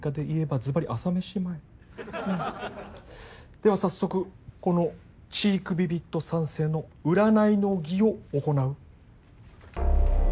では早速このチークビビット三世の占いの儀を行う。